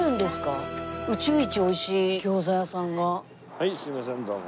はいすいませんどうも。